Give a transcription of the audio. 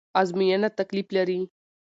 ازموينه تکليف لري